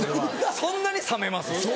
そんなに冷めます？